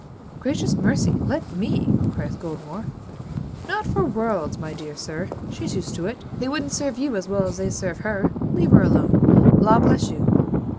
'Gracious mercy! let ME,' cries Goldmore. 'Not for worlds, my dear sir. She's used to it. They wouldn't serve you as well as they serve her. Leave her alone. Law bless you!'